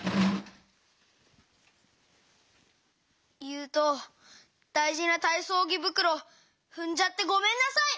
ゆうとだいじなたいそうぎぶくろふんじゃってごめんなさい！